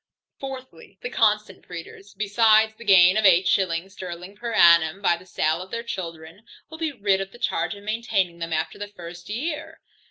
Fourthly, The constant breeders, besides the gain of eight shillings sterling per annum by the sale of their children, will be rid of the charge of maintaining them after the first year.